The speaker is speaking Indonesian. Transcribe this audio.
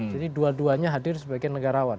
jadi dua duanya hadir sebagai negarawan